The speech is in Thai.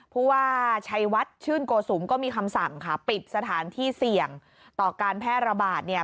ผู้ว่าชัยวัดชื่นโกสุมก็มีคำสั่งค่ะปิดสถานที่เสี่ยงต่อการแพร่ระบาดเนี่ย